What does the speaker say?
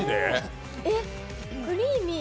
えっ、クリーミー